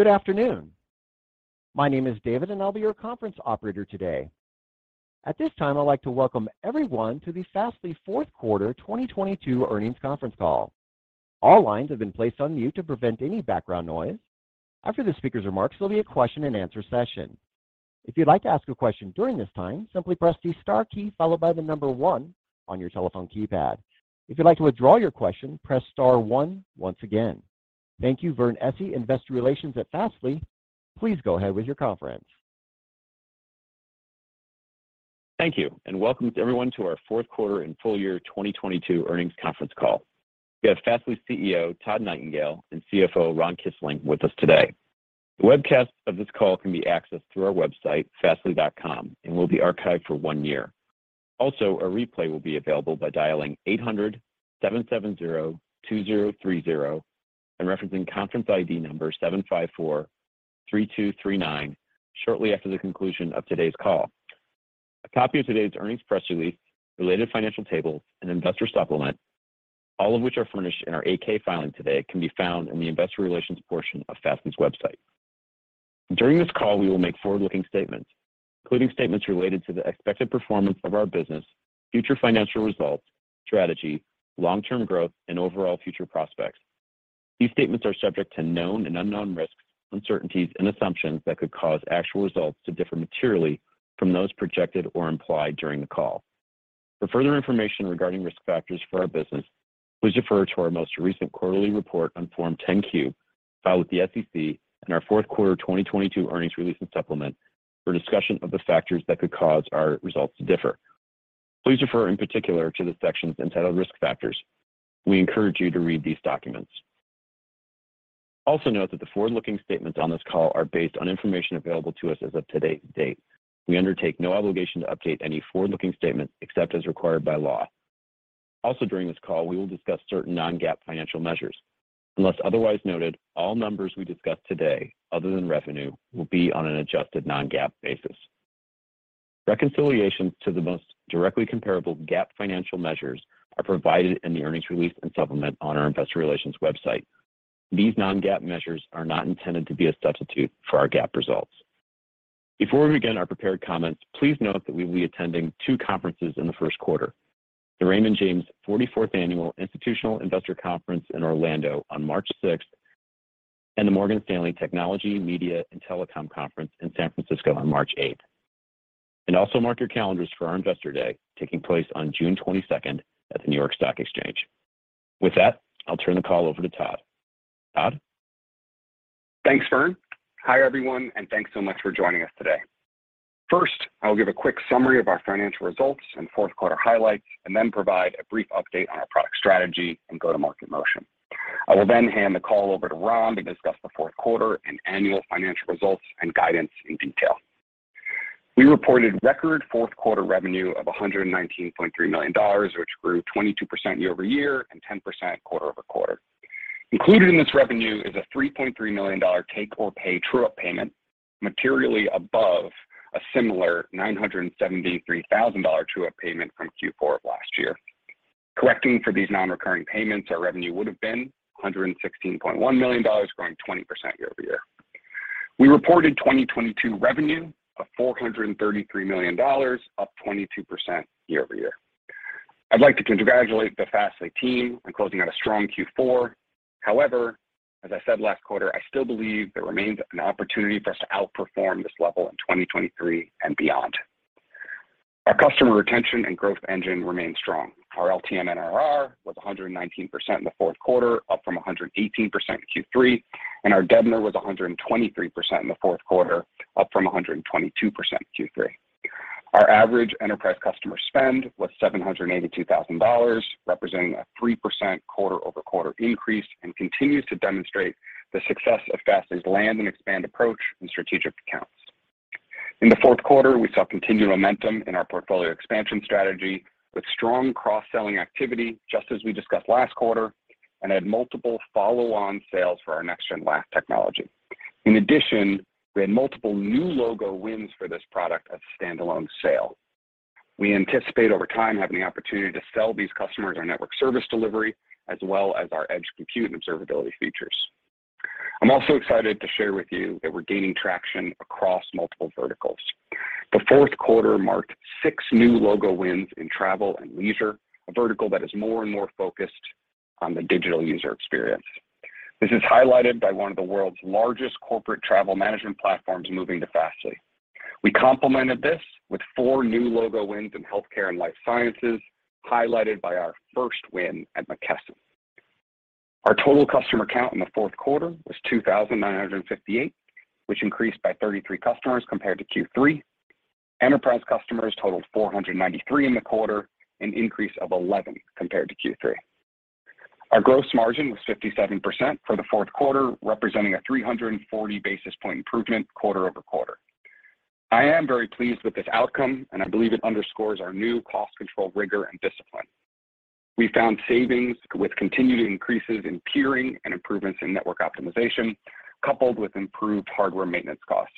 Good afternoon. My name is David, I'll be your conference operator today. At this time, I'd like to welcome everyone to the Fastly Fourth Quarter 2022 Earnings Conference Call. All lines have been placed on mute to prevent any background noise. After the speaker's remarks, there'll be a question and answer session. If you'd like to ask a question during this time, simply press the star key followed by the number one on your telephone keypad. If you'd like to withdraw your question, press star one once again. Thank you. Vern Essi, Investor Relations at Fastly, please go ahead with your conference. Thank you, welcome everyone to our fourth quarter and full year 2022 earnings conference call. We have Fastly CEO, Todd Nightingale, and CFO, Ron Kisling, with us today. The webcast of this call can be accessed through our website, fastly.com, and will be archived for one year. A replay will be available by dialing 800-770-2030 and referencing conference ID number 7543239 shortly after the conclusion of today's call. A copy of today's earnings press release, related financial tables and investor supplement, all of which are furnished in our 8-K filing today, can be found in the investor relations portion of Fastly's website. During this call, we will make forward-looking statements, including statements related to the expected performance of our business, future financial results, strategy, long-term growth, and overall future prospects. These statements are subject to known and unknown risks, uncertainties and assumptions that could cause actual results to differ materially from those projected or implied during the call. For further information regarding risk factors for our business, please refer to our most recent quarterly report on Form 10-Q filed with the SEC and our fourth quarter 2022 earnings release and supplement for a discussion of the factors that could cause our results to differ. Please refer in particular to the sections entitled Risk Factors. We encourage you to read these documents. Note that the forward-looking statements on this call are based on information available to us as of today's date. We undertake no obligation to update any forward-looking statement except as required by law. During this call, we will discuss certain non-GAAP financial measures. Unless otherwise noted, all numbers we discuss today other than revenue will be on an adjusted non-GAAP basis. Reconciliation to the most directly comparable GAAP financial measures are provided in the earnings release and supplement on our investor relations website. These non-GAAP measures are not intended to be a substitute for our GAAP results. Before we begin our prepared comments, please note that we will be attending two conferences in the first quarter, the Raymond James 44th Annual Institutional Investor Conference in Orlando on March 6th and the Morgan Stanley Technology, Media and Telecom Conference in San Francisco on March 8th. Also mark your calendars for our Investor Day taking place on June 22nd at the New York Stock Exchange. With that, I'll turn the call over to Todd. Todd? Thanks, Vern. Hi, everyone, thanks so much for joining us today. First, I will give a quick summary of our financial results and fourth quarter highlights then provide a brief update on our product strategy and go-to-market motion. I will hand the call over to Ron to discuss the fourth quarter and annual financial results and guidance in detail. We reported record fourth quarter revenue of $119.3 million, which grew 22% year-over-year and 10% quarter-over-quarter. Included in this revenue is a $3.3 million take or pay true-up payment, materially above a similar $973,000 true-up payment from Q4 of last year. Correcting for these non-recurring payments, our revenue would have been $116.1 million, growing 20% year-over-year. We reported 2022 revenue of $433 million, up 22% year-over-year. I'd like to congratulate the Fastly team on closing out a strong Q4. As I said last quarter, I still believe there remains an opportunity for us to outperform this level in 2023 and beyond. Our customer retention and growth engine remains strong. Our LTM NRR was 119% in the fourth quarter, up from 118% in Q3, and our DBNER was 123% in the fourth quarter, up from 122% in Q3. Our average enterprise customer spend was $782,000, representing a 3% quarter-over-quarter increase, and continues to demonstrate the success of Fastly's land and expand approach in strategic accounts. In the fourth quarter, we saw continued momentum in our portfolio expansion strategy with strong cross-selling activity, just as we discussed last quarter, and had multiple follow-on sales for our Next-Gen WAF technology. In addition, we had multiple new logo wins for this product as standalone sale. We anticipate over time having the opportunity to sell these customers our network service delivery as well as our edge compute and observability features. I'm also excited to share with you that we're gaining traction across multiple verticals. The fourth quarter marked six new logo wins in travel and leisure, a vertical that is more and more focused on the digital user experience. This is highlighted by one of the world's largest corporate travel management platforms moving to Fastly. We complemented this with four new logo wins in healthcare and life sciences, highlighted by our first win at McKesson. Our total customer count in the fourth quarter was 2,958, which increased by 33 customers compared to Q3. Enterprise customers totaled 493 in the quarter, an increase of 11 compared to Q3. Our gross margin was 57% for the fourth quarter, representing a 340 basis point improvement quarter-over-quarter. I am very pleased with this outcome, I believe it underscores our new cost control rigor and discipline. We found savings with continued increases in peering and improvements in network optimization, coupled with improved hardware maintenance costs.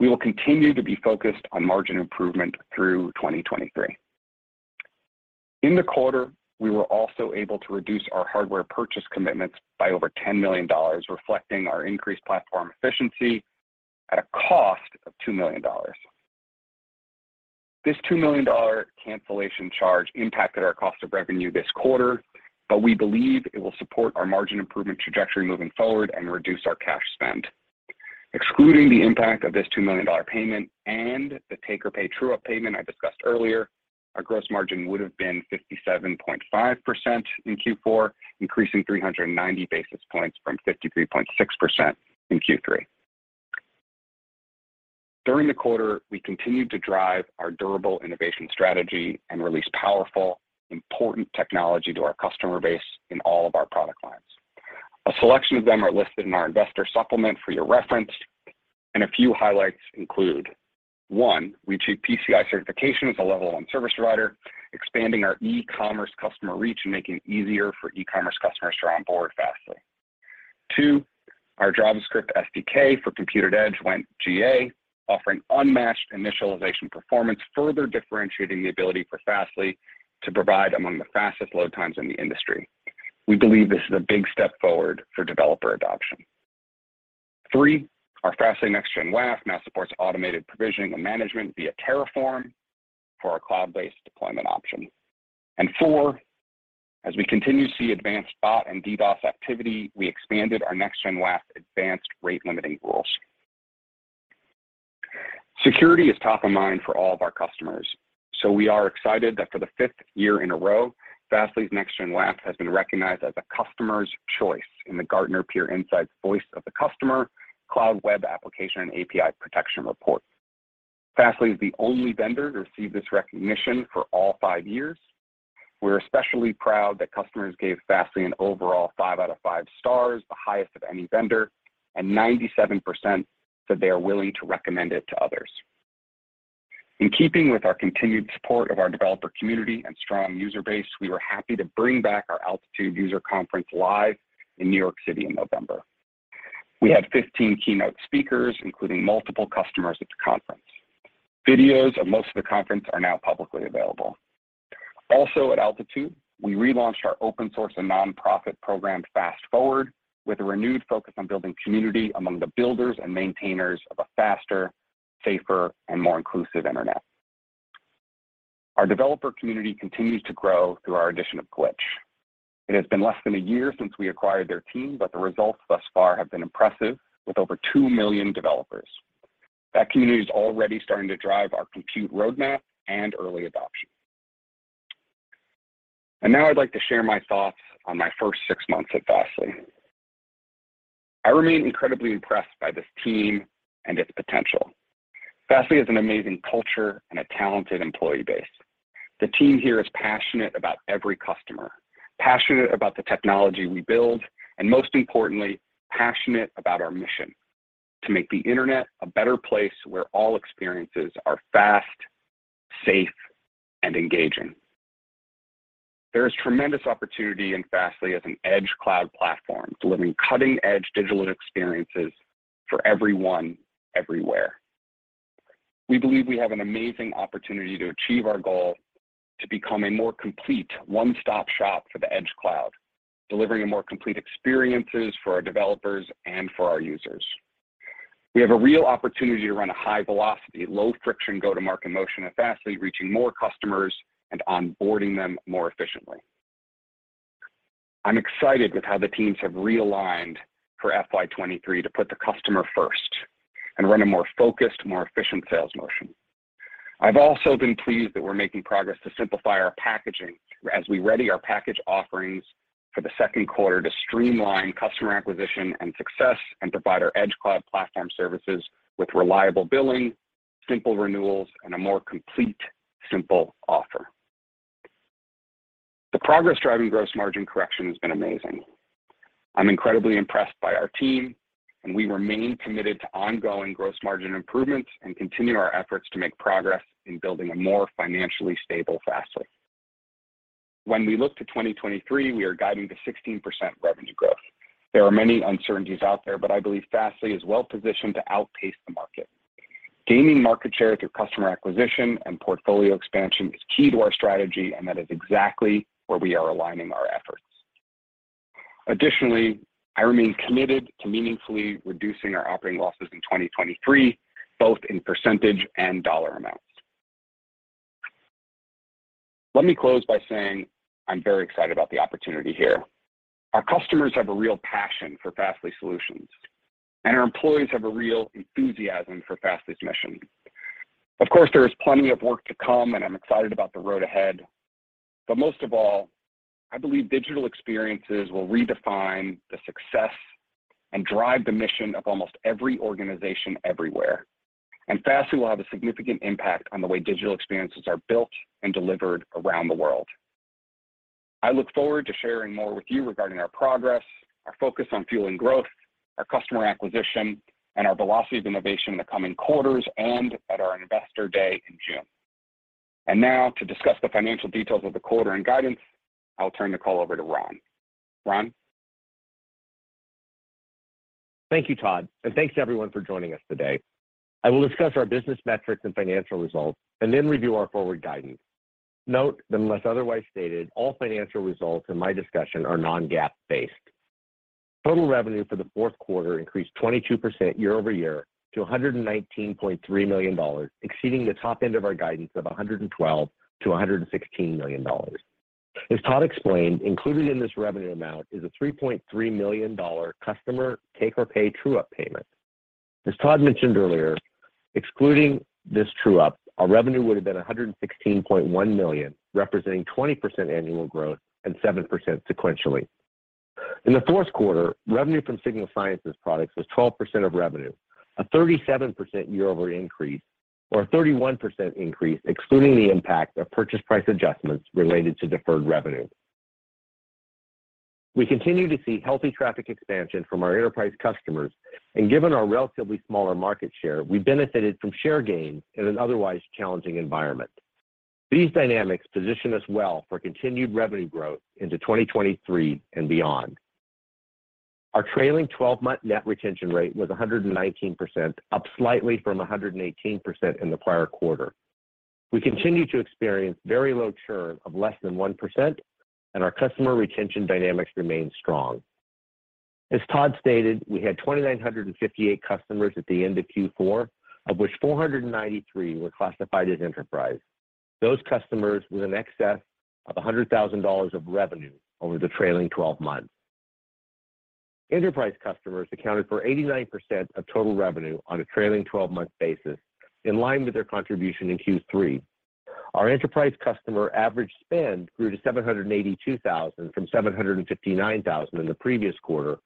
We will continue to be focused on margin improvement through 2023. In the quarter, we were also able to reduce our hardware purchase commitments by over $10 million, reflecting our increased platform efficiency at a cost of $2 million. This $2 million cancellation charge impacted our cost of revenue this quarter. We believe it will support our margin improvement trajectory moving forward and reduce our cash spend. Excluding the impact of this $2 million payment and the take-or-pay true-up payment I discussed earlier, our gross margin would have been 57.5% in Q4, increasing 390 basis points from 53.6% in Q3. During the quarter, we continued to drive our durable innovation strategy and release powerful, important technology to our customer base in all of our product lines. A selection of them are listed in our investor supplement for your reference. A few highlights include: One, we achieved PCI certification as a Level 1 service provider, expanding our e-commerce customer reach and making it easier for e-commerce customers to onboard Fastly. Two, our JavaScript SDK for Compute@Edge went GA, offering unmatched initialization performance, further differentiating the ability for Fastly to provide among the fastest load times in the industry. We believe this is a big step forward for developer adoption. Three, our Fastly Next-Gen WAF now supports automated provisioning and management via Terraform for our cloud-based deployment option. Four, as we continue to see advanced bot and DDoS activity, we expanded our Next-Gen WAF advanced rate limiting rules. Security is top of mind for all of our customers, we are excited that for the fifth year in a row, Fastly's Next-Gen WAF has been recognized as a customer's choice in the Gartner Peer Insights Voice of the Customer Cloud Web Application and API Protection Report. Fastly is the only vendor to receive this recognition for all five years. We're especially proud that customers gave Fastly an overall five out of five stars, the highest of any vendor, and 97% said they are willing to recommend it to others. In keeping with our continued support of our developer community and strong user base, we were happy to bring back our Altitude User Conference live in New York City in November. We had 15 keynote speakers, including multiple customers at the conference. Videos of most of the conference are now publicly available. Also at Altitude, we relaunched our open source and nonprofit program, Fast Forward, with a renewed focus on building community among the builders and maintainers of a faster, safer, and more inclusive internet. Our developer community continues to grow through our addition of Glitch. It has been less than a year since we acquired their team. The results thus far have been impressive, with over 2 million developers. That community is already starting to drive our Compute roadmap and early adoption. Now I'd like to share my thoughts on my first six months at Fastly. I remain incredibly impressed by this team and its potential. Fastly has an amazing culture and a talented employee base. The team here is passionate about every customer, passionate about the technology we build, and most importantly, passionate about our mission: to make the internet a better place where all experiences are fast, safe, and engaging. There is tremendous opportunity in Fastly as an edge cloud platform, delivering cutting-edge digital experiences for everyone, everywhere. We believe we have an amazing opportunity to achieve our goal to become a more complete one-stop shop for the edge cloud, delivering a more complete experiences for our developers and for our users. We have a real opportunity to run a high velocity, low friction, go-to-market motion at Fastly, reaching more customers and onboarding them more efficiently. I'm excited with how the teams have realigned for FY 2023 to put the customer first and run a more focused, more efficient sales motion. I've also been pleased that we're making progress to simplify our packaging as we ready our package offerings for the second quarter to streamline customer acquisition and success and provide our edge cloud platform services with reliable billing, simple renewals, and a more complete, simple offer. The progress driving gross margin correction has been amazing. I'm incredibly impressed by our team, and we remain committed to ongoing gross margin improvements and continue our efforts to make progress in building a more financially stable Fastly. When we look to 2023, we are guiding to 16% revenue growth. There are many uncertainties out there, but I believe Fastly is well positioned to outpace the market. Gaining market share through customer acquisition and portfolio expansion is key to our strategy, and that is exactly where we are aligning our efforts. Additionally, I remain committed to meaningfully reducing our operating losses in 2023, both in percentage and dollar amounts. Let me close by saying I'm very excited about the opportunity here. Our customers have a real passion for Fastly solutions, and our employees have a real enthusiasm for Fastly's mission. Of course, there is plenty of work to come, and I'm excited about the road ahead. Most of all, I believe digital experiences will redefine the success and drive the mission of almost every organization everywhere. Fastly will have a significant impact on the way digital experiences are built and delivered around the world. I look forward to sharing more with you regarding our progress, our focus on fueling growth, our customer acquisition, and our velocity of innovation in the coming quarters and at our Investor Day in June. Now, to discuss the financial details of the quarter and guidance, I'll turn the call over to Ron. Ron? Thank you, Todd. Thanks to everyone for joining us today. I will discuss our business metrics and financial results and then review our forward guidance. Note that unless otherwise stated, all financial results in my discussion are non-GAAP based. Total revenue for the fourth quarter increased 22% year-over-year to $119.3 million, exceeding the top end of our guidance of $112 million-$116 million. As Todd explained, included in this revenue amount is a $3.3 million customer take or pay true-up payment. As Todd mentioned earlier, excluding this true-up, our revenue would have been $116.1 million, representing 20% annual growth and 7% sequentially. In the fourth quarter, revenue from Signal Sciences products was 12% of revenue, a 37% year-over-year increase or a 31% increase excluding the impact of purchase price adjustments related to deferred revenue. Given our relatively smaller market share, we benefited from share gains in an otherwise challenging environment. These dynamics position us well for continued revenue growth into 2023 and beyond. Our trailing 12-month net retention rate was 119%, up slightly from 118% in the prior quarter. We continue to experience very low churn of less than 1%. Our customer retention dynamics remain strong. As Todd stated, we had 2,958 customers at the end of Q4, of which 493 were classified as enterprise. Those customers with an excess of $100,000 of revenue over the trailing twelve-month. Enterprise customers accounted for 89% of total revenue on a trailing twelve-month basis, in line with their contribution in Q3. Our enterprise customer average spend grew to $782,000 from $759,000 in the previous quarter,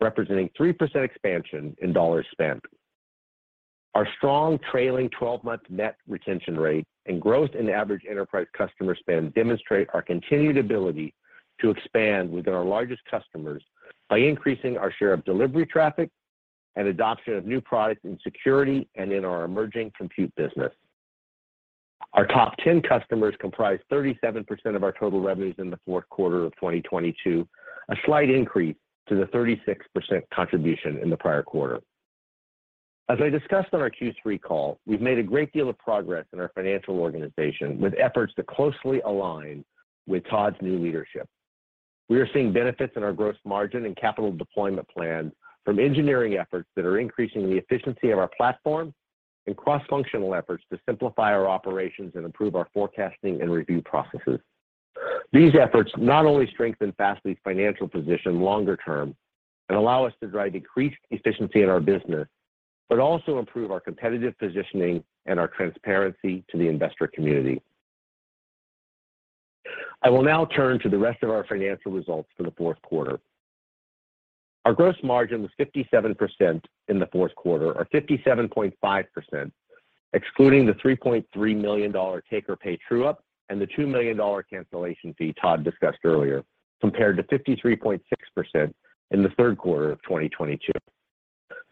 representing 3% expansion in dollars spent. Our strong trailing twelve-month net retention rate and growth in average enterprise customer spend demonstrate our continued ability to expand within our largest customers by increasing our share of delivery traffic and adoption of new products in security and in our emerging Compute business. Our top 10 customers comprised 37% of our total revenues in the fourth quarter of 2022, a slight increase to the 36% contribution in the prior quarter. As I discussed on our Q3 call, we've made a great deal of progress in our financial organization with efforts to closely align with Todd's new leadership. We are seeing benefits in our gross margin and capital deployment plan from engineering efforts that are increasing the efficiency of our platform and cross-functional efforts to simplify our operations and improve our forecasting and review processes. These efforts not only strengthen Fastly's financial position longer term and allow us to drive increased efficiency in our business, but also improve our competitive positioning and our transparency to the investor community. I will now turn to the rest of our financial results for the fourth quarter. Our gross margin was 57% in the fourth quarter, or 57.5%, excluding the $3.3 million take or pay true-up and the $2 million cancellation fee Todd discussed earlier, compared to 53.6% in the third quarter of 2022.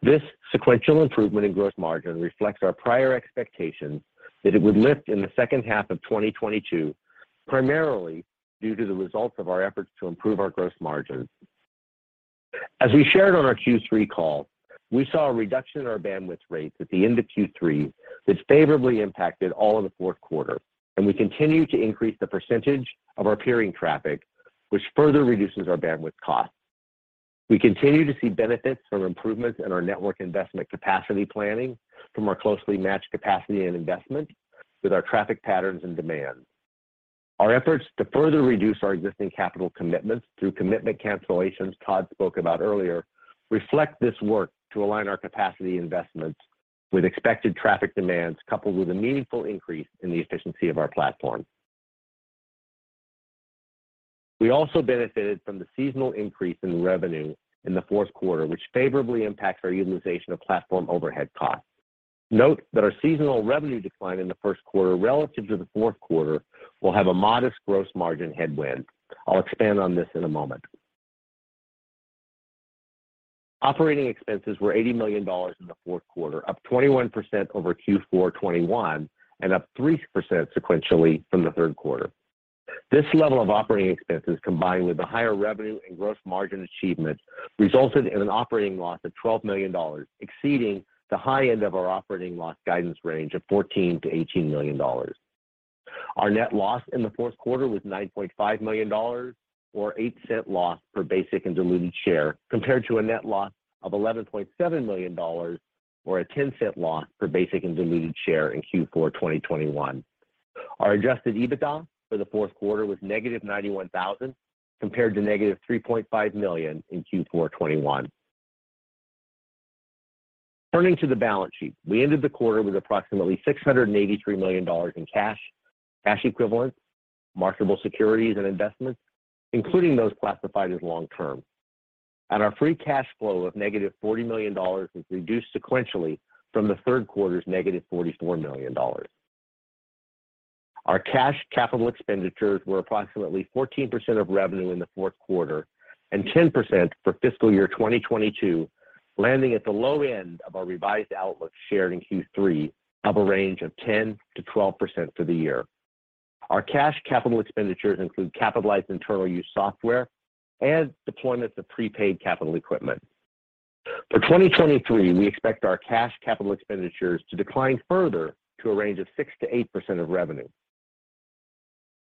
This sequential improvement in gross margin reflects our prior expectations that it would lift in the second half of 2022, primarily due to the results of our efforts to improve our gross margin. As we shared on our Q3 call, we saw a reduction in our bandwidth rates at the end of Q3 that favorably impacted all of the fourth quarter, and we continue to increase the percentage of our peering traffic, which further reduces our bandwidth costs. We continue to see benefits from improvements in our network investment capacity planning from our closely matched capacity and investment with our traffic patterns and demand. Our efforts to further reduce our existing capital commitments through commitment cancellations Todd spoke about earlier reflect this work to align our capacity investments with expected traffic demands coupled with a meaningful increase in the efficiency of our platform. We also benefited from the seasonal increase in revenue in the fourth quarter, which favorably impacts our utilization of platform overhead costs. Note that our seasonal revenue decline in the first quarter relative to the fourth quarter will have a modest gross margin headwind. I'll expand on this in a moment. Operating expenses were $80 million in the fourth quarter, up 21% over Q4 2021 and up 3% sequentially from the third quarter. This level of operating expenses, combined with the higher revenue and gross margin achievements, resulted in an operating loss of $12 million, exceeding the high end of our operating loss guidance range of $14 million-$18 million. Our net loss in the fourth quarter was $9.5 million or $0.08 loss per basic and diluted share, compared to a net loss of $11.7 million or a $0.10 loss per basic and diluted share in Q4 2021. Our adjusted EBITDA for the fourth quarter was negative $91,000 compared to negative $3.5 million in Q4 2021. Turning to the balance sheet, we ended the quarter with approximately $683 million in cash equivalents, marketable securities, and investments, including those classified as long term. Our free cash flow of -$40 million was reduced sequentially from the third quarter's -$44 million. Our cash capital expenditures were approximately 14% of revenue in the fourth quarter and 10% for fiscal year 2022, landing at the low end of our revised outlook shared in Q3 of a range of 10%-12% for the year. Our cash capital expenditures include capitalized internal use software and deployments of prepaid capital equipment. For 2023, we expect our cash capital expenditures to decline further to a range of 6%-8% of revenue.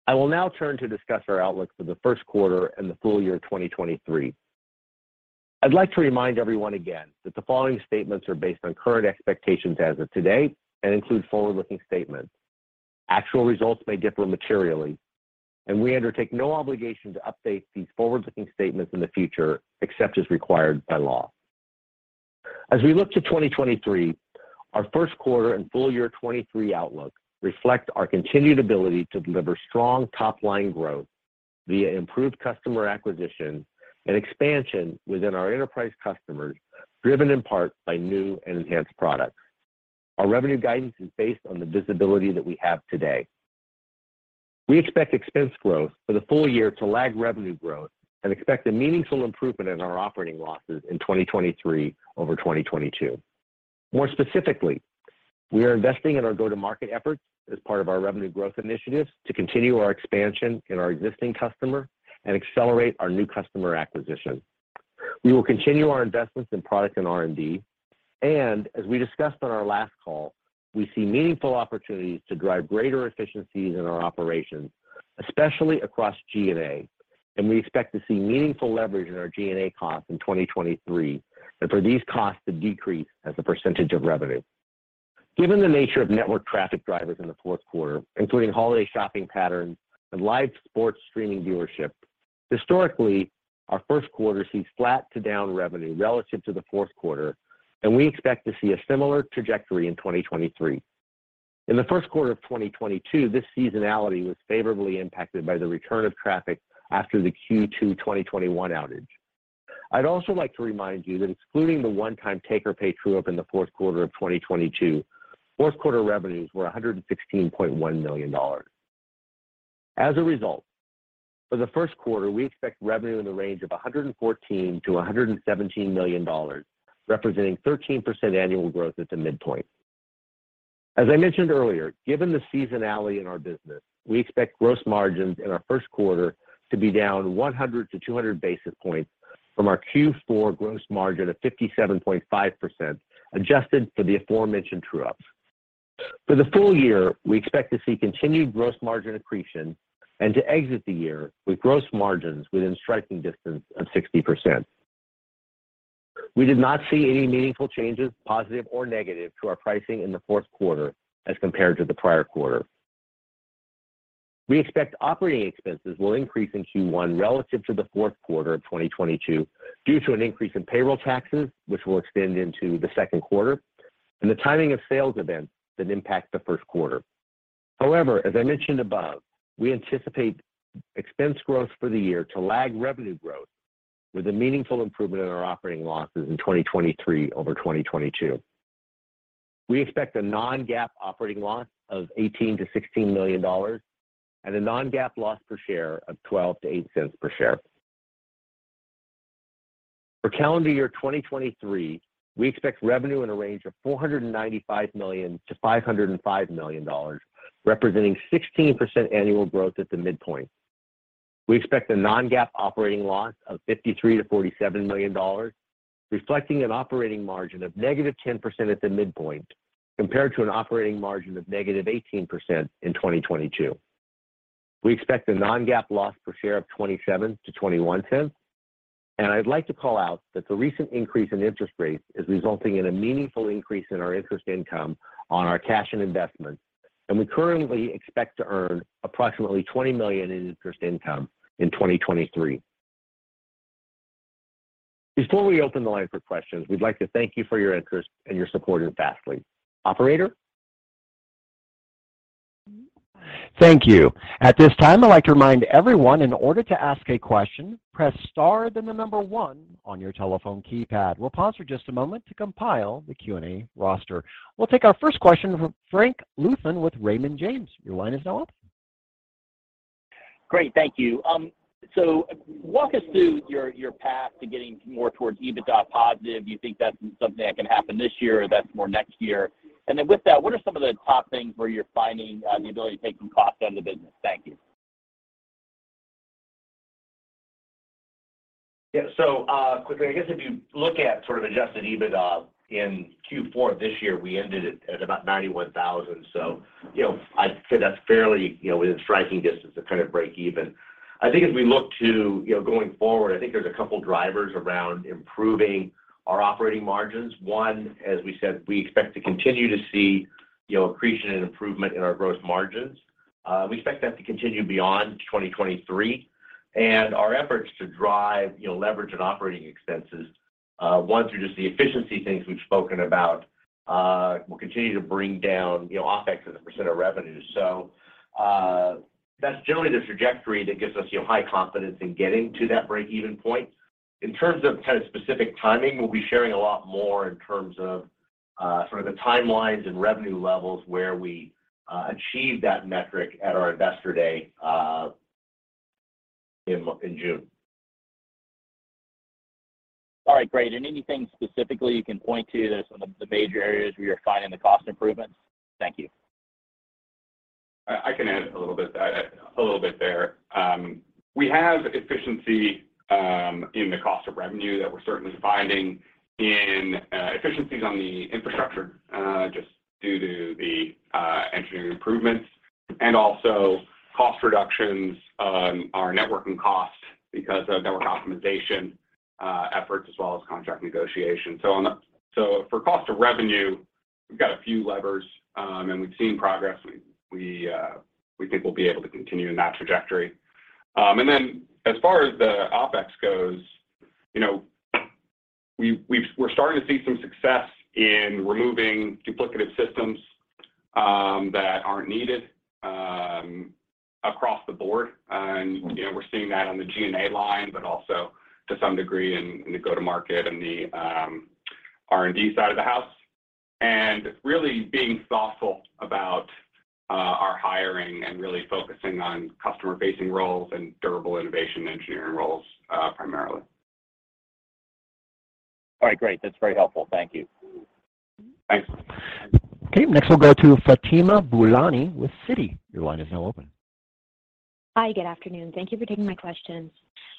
I will now turn to discuss our outlook for the first quarter and the full year 2023. I'd like to remind everyone again that the following statements are based on current expectations as of today and include forward-looking statements. Actual results may differ materially. We undertake no obligation to update these forward-looking statements in the future, except as required by law. As we look to 2023, our first quarter and full year 2023 outlook reflect our continued ability to deliver strong top-line growth via improved customer acquisition and expansion within our enterprise customers, driven in part by new and enhanced products. Our revenue guidance is based on the visibility that we have today. We expect expense growth for the full year to lag revenue growth and expect a meaningful improvement in our operating losses in 2023 over 2022. More specifically, we are investing in our go-to-market efforts as part of our revenue growth initiatives to continue our expansion in our existing customer and accelerate our new customer acquisition. We will continue our investments in product and R&D, and as we discussed on our last call, we see meaningful opportunities to drive greater efficiencies in our operations, especially across G&A, and we expect to see meaningful leverage in our G&A costs in 2023 and for these costs to decrease as a percentage of revenue. Given the nature of network traffic drivers in the fourth quarter, including holiday shopping patterns and live sports streaming viewership, historically, our first quarter sees flat to down revenue relative to the fourth quarter, and we expect to see a similar trajectory in 2023. In the first quarter of 2022, this seasonality was favorably impacted by the return of traffic after the Q2 2021 outage. I'd also like to remind you that excluding the one-time take-or-pay true-up in the fourth quarter of 2022, fourth quarter revenues were $116.1 million. As a result, for the first quarter, we expect revenue in the range of $114 million-$117 million, representing 13% annual growth at the midpoint. As I mentioned earlier, given the seasonality in our business, we expect gross margins in our first quarter to be down 100-200 basis points from our Q4 gross margin of 57.5%, adjusted for the aforementioned true-ups. For the full year, we expect to see continued gross margin accretion and to exit the year with gross margins within striking distance of 60%. We did not see any meaningful changes, positive or negative, to our pricing in the fourth quarter as compared to the prior quarter. We expect operating expenses will increase in Q1 relative to the fourth quarter of 2022 due to an increase in payroll taxes, which will extend into the second quarter, and the timing of sales events that impact the first quarter. As I mentioned above, we anticipate expense growth for the year to lag revenue growth with a meaningful improvement in our operating losses in 2023 over 2022. We expect a non-GAAP operating loss of $18 million-$16 million and a non-GAAP loss per share of $0.12-$0.08 per share. For calendar year 2023, we expect revenue in a range of $495 million-$505 million, representing 16% annual growth at the midpoint. We expect a non-GAAP operating loss of $53 million-$47 million, reflecting an operating margin of negative 10% at the midpoint compared to an operating margin of negative 18% in 2022. We expect a non-GAAP loss per share of $0.27-$0.21. I'd like to call out that the recent increase in interest rates is resulting in a meaningful increase in our interest income on our cash and investments, and we currently expect to earn approximately $20 million in interest income in 2023. Before we open the line for questions, we'd like to thank you for your interest and your support in Fastly. Operator? Thank you. At this time, I'd like to remind everyone in order to ask a question, press star then the number 1 on your telephone keypad. We'll pause for just a moment to compile the Q&A roster. We'll take our first question from Frank Louthan with Raymond James. Your line is now open. Great. Thank you. Walk us through your path to getting more towards EBITDA positive. Do you think that's something that can happen this year or that's more next year? With that, what are some of the top things where you're finding, the ability to take some cost out of the business? Thank you. Quickly, I guess if you look at sort of adjusted EBITDA in Q4 of this year, we ended it at about $91,000. You know, I'd say that's fairly, you know, within striking distance of kind of breakeven. I think as we look to, you know, going forward, I think there's a couple of drivers around improving our operating margins. One, as we said, we expect to continue to see, you know, accretion and improvement in our gross margins. We expect that to continue beyond 2023. Our efforts to drive, you know, leverage and operating expenses will continue to bring down, you know, OpEx as a % of revenue. That's generally the trajectory that gives us, you know, high confidence in getting to that breakeven point. In terms of kind of specific timing, we'll be sharing a lot more in terms of, sort of the timelines and revenue levels where we achieve that metric at our Investor Day, in June. All right, great. Anything specifically you can point to that are some of the major areas where you're finding the cost improvements? Thank you. I can add a little bit, a little bit there. We have efficiency in the cost of revenue that we're certainly finding in efficiencies on the infrastructure just due to the engineering improvements and also cost reductions on our networking cost because of network optimization efforts as well as contract negotiation. For cost of revenue, we've got a few levers, and we've seen progress. We think we'll be able to continue in that trajectory. Then as far as the OpEx goes, you know, we're starting to see some success in removing duplicative systems that aren't needed across the board. And, you know, we're seeing that on the G&A line, but also to some degree in the go-to-market and the R&D side of the house. Really being thoughtful about our hiring and really focusing on customer-facing roles and durable innovation engineering roles, primarily. All right, great. That's very helpful. Thank you. Thanks. Next we'll go to Fatima Boolani with Citi. Your line is now open. Hi, good afternoon. Thank you for taking my questions.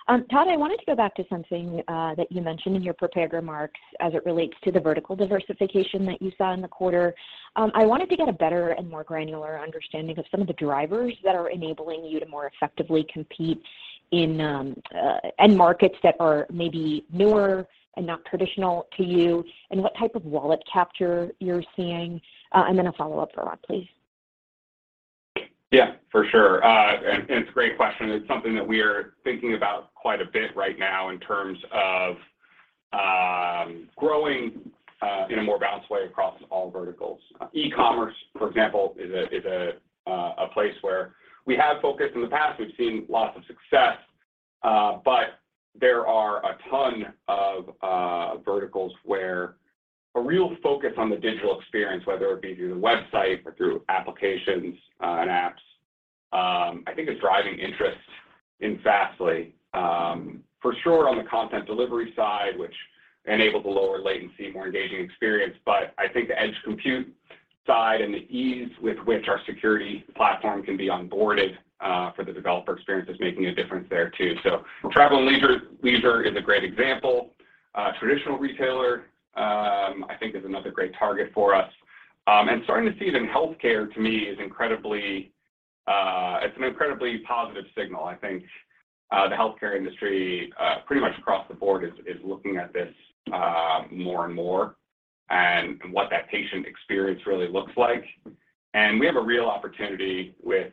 Todd, I wanted to go back to something that you mentioned in your prepared remarks as it relates to the vertical diversification that you saw in the quarter. I wanted to get a better and more granular understanding of some of the drivers that are enabling you to more effectively compete in end markets that are maybe newer and not traditional to you, and what type of wallet capture you're seeing. Then a follow-up for Ron, please. Yeah, for sure. And it's a great question. It's something that we are thinking about quite a bit right now in terms of growing in a more balanced way across all verticals. E-commerce, for example, is a place where we have focused in the past. We've seen lots of success, but there are a ton of verticals where a real focus on the digital experience, whether it be through the website or through applications and apps, I think is driving interest in Fastly. For sure on the content delivery side, which enables a lower latency, more engaging experience. I think the edge compute side and the ease with which our security platform can be onboarded for the developer experience is making a difference there too. Travel and leisure is a great example. Traditional retailer, I think is another great target for us. Starting to see it in healthcare, to me, is incredibly, it's an incredibly positive signal. I think the healthcare industry pretty much across the board is looking at this more and more and what that patient experience really looks like. We have a real opportunity with,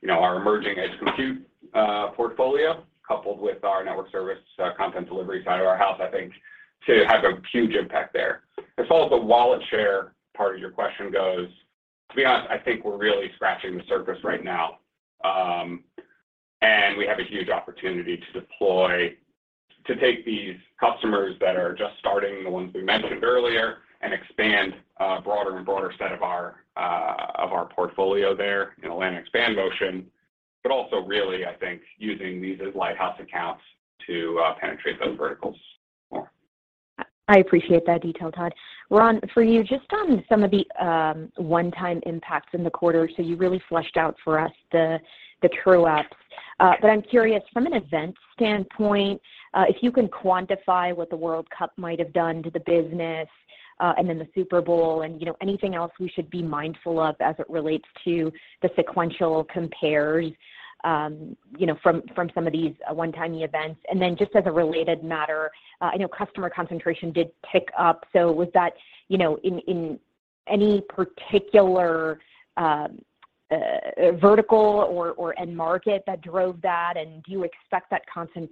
you know, our emerging edge compute portfolio coupled with our network service content delivery side of our house, I think, to have a huge impact there. As far as the wallet share part of your question goes, to be honest, I think we're really scratching the surface right now. We have a huge opportunity to take these customers that are just starting, the ones we mentioned earlier, and expand a broader and broader set of our portfolio there in a land expand motion. Also really, I think, using these as lighthouse accounts to penetrate those verticals more. I appreciate that detail, Todd. Ron, for you, just on some of the one-time impacts in the quarter. You really fleshed out for us the true ups. I'm curious from an event standpoint, if you can quantify what the World Cup might have done to the business, and then the Super Bowl and, you know, anything else we should be mindful of as it relates to the sequential compares, you know, from some of these one-time events. Just as a related matter, I know customer concentration did tick up. Was that, you know, in any particular vertical or end market that drove that? Do you expect that